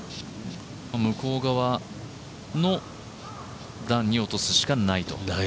向こう側の段に落とすしかないと。